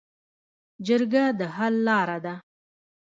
جرګه د حل لاره ده